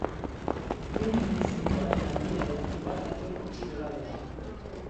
Gemini zeinuaren aldiarekin bat dator gutxi gorabehera.